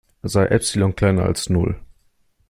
Sei Epsilon kleiner als Null.